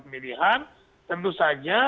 pemilihan tentu saja